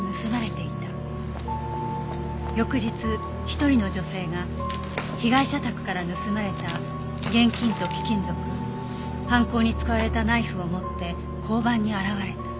「翌日一人の女性が被害者宅から盗まれた現金と貴金属犯行に使われたナイフを持って交番に現れた」